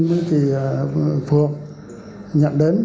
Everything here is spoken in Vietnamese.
với chị phượng nhận đến